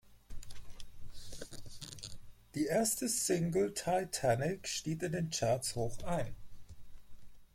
Die erste Single "Titanic" stieg in den Charts hoch ein.